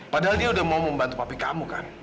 padahal dia udah mau membantu pabrik kamu kan